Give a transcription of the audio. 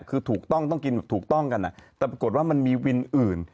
คือถูกต้องต้องกินแบบถูกต้องกันแต่ปรากฏว่ามันมีวินอื่น